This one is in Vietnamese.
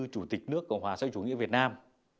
chủ tịch nước cộng hòa xã chủ nghĩa việt nam